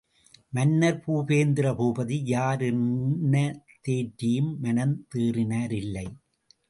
மன்னர் பூபேந்திரபூபதி, யார் என்ன தேற்றியும் மனம் தேறினார் இல்லை.